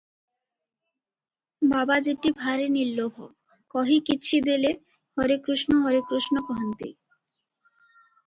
ବାବାଜୀଟି ଭାରି ନିର୍ଲୋଭ, କହି କିଛି ଦେଲେ "ହରେ କୃଷ୍ଣ, ହରେ କୃଷ୍ଣ" କହନ୍ତି ।